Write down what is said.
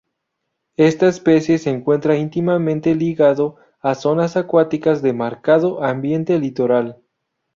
Esta especie se encuentra íntimamente ligada a zonas acuáticas de marcado ambiente litoral.